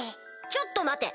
ちょっと待て！